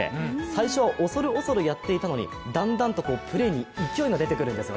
最初は恐る恐るやっていたのにだんだんと勢いが出てくるんです。